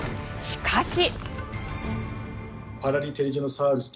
しかし。